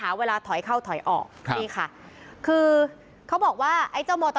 เลิกเลิกเลิกเลิกเลิกเลิกเลิกเลิกเลิก